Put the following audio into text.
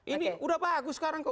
ini udah bagus sekarang kok